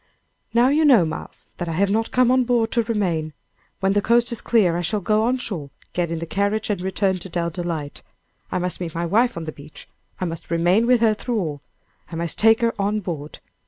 "Now you know, Miles, that I have not come on board to remain. When the coast is clear I shall go on shore, get in the carriage, and return to Dell Delight. I must meet my wife on the beach. I must remain with her through all. I must take her on board.